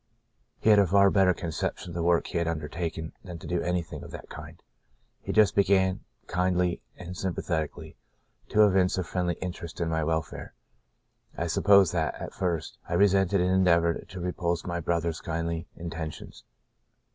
He had a far better concep tion of the work he had undertaken than to do anything of that kind. He just began, kindly and sympathetically, to evince a friendly interest in my welfare. I suppose that, at first, I resented and endeavoured to repulse my brother's kindly intentions.